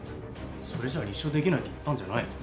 それじゃ立証できないって言ったんじゃないの？